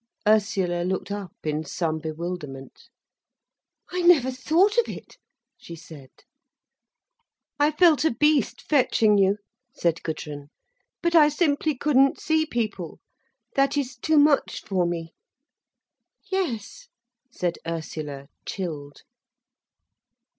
Ursula looked up in some bewilderment. "I never thought of it," she said. "I felt a beast, fetching you," said Gudrun. "But I simply couldn't see people. That is too much for me." "Yes," said Ursula, chilled.